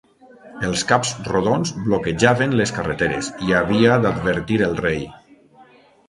Els caps-rodons bloquejaven les carreteres i havia d'advertir el Rei.